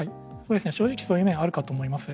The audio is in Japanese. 正直そういう面はあるかと思います。